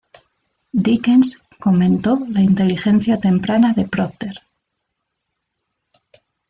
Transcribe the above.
Dickens comentó la inteligencia temprana de Procter.